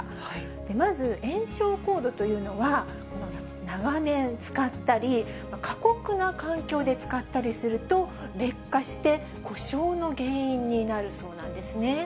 まず延長コードというのは、長年使ったり、過酷な環境で使ったりすると、劣化して故障の原因になるそうなんですね。